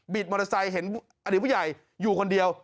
มอเตอร์ไซค์เห็นอดีตผู้ใหญ่อยู่คนเดียว